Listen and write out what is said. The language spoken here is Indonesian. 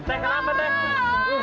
teeh kenapa teeh